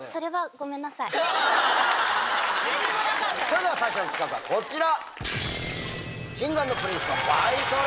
それでは最初の企画はこちら！